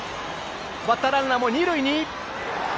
バッターランナーも二塁に。